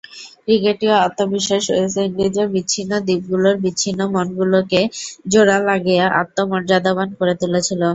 ক্রিকেটীয় আত্মবিশ্বাস ওয়েস্ট ইন্ডিজের বিচ্ছিন্ন দ্বীপগুলোর বিচ্ছিন্ন মনগুলোকে জোড়া লাগিয়ে আত্মমর্যাদাবান করে তুলেছিল।